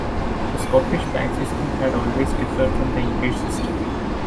The Scottish bank system had always differed from the English system.